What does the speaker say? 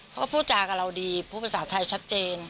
พูดจากับเราดีพูดภาษาไทยชัดเจน